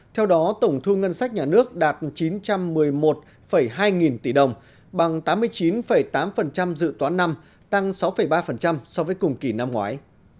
theo đó tổng thu ngân sách nhà nước đạt chín trăm một mươi một hai nghìn tỷ đồng bằng tám mươi chín tám dự toán năm tăng sáu ba so với cùng kỳ năm ngoái